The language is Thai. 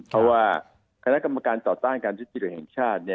เพราะว่าคณะกรรมการต่อต้านการทุจริตแห่งชาติ